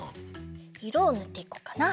いろをぬっていこうかな。